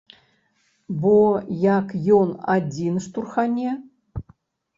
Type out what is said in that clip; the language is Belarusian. Бо як ён адзін штурхане?